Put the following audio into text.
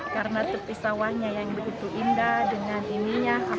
karena tepi sawahnya yang begitu indah dengan ininya